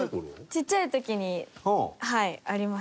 ちっちゃい時にはいあります。